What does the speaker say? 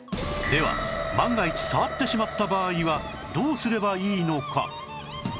では万が一触ってしまった場合はどうすればいいのか？